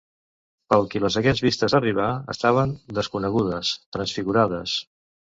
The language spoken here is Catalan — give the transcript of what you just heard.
Pel qui les hagués vistes arribar, estaven desconegudes, transfigurades.